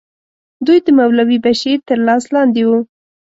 دوی د مولوي بشیر تر لاس لاندې وو.